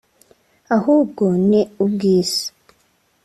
ahubwo ni ubw’isi